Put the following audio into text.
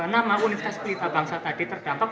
nama universitas pelita bangsa tadi terdampak